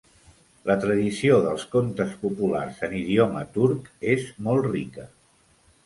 La tradició dels contes populars en idioma turc és molt rica.